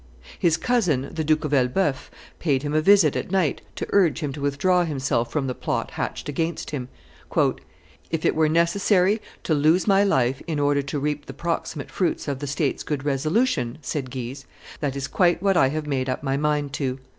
His cousin, the Duke of Elbeuf, paid him a visit at night to urge him to withdraw himself from the plot hatched against him. "If it were necessary to lose my life in order to reap the proximate fruits of the states' good resolution," said Guise, "that is what I have quite made up my mind to.